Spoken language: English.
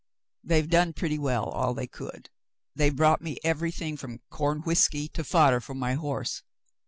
"They've done pretty well, all who could. They've brought me everything from corn whiskey to fodder for my horse.